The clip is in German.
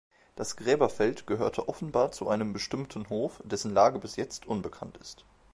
Das Gräberfeld gehörte offenbar zu einem bestimmten Hof, dessen Lage bis jetzt unbekannt ist.